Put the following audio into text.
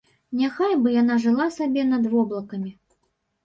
Няхай бы яна жыла сабе над воблакамі.